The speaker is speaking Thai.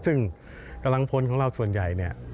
ซึ่งกระลังพลของเราส่วนใหญ่